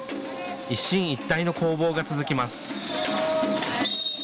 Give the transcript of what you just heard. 一進一退の攻防が続きます。